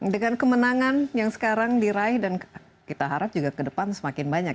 dengan kemenangan yang sekarang diraih dan kita harap juga ke depan semakin banyak